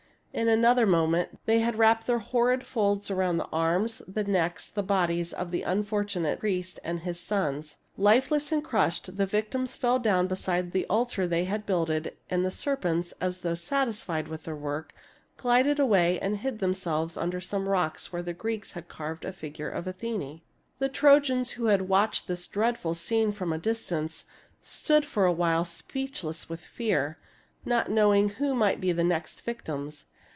In another .moment they had wrapped their horrid folds around the arms, the necks, the bodies of the unfortunate priest and his sons. Lifeless and crushed, the victims fell down beside the altar they had builded ; and the serpents, as though satisfied with their work, glided away and hid themselves under some rocks where the Greeks had carved a figure of Athene. The Trojans, who had watched this dreadful scene from a distance, stood for a while speechless with fear, not knowing who might be the next victims.